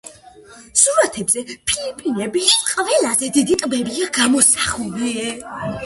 სურათებზე ფილიპინების ყველაზე დიდი ტბებია გამოსახული.